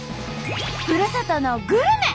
ふるさとのグルメ！